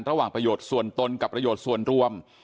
ระหว่างประโยชน์ส่วนตนกับประโยชน์ส่วนรวม